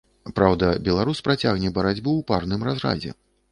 Праўда, беларус працягне барацьбу ў парным разрадзе.